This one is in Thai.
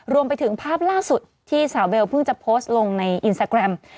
รวมไปถึงภาพล่าสุดที่สาวเบลเพิ่งจะโพสต์ลงในอินสตาแกรม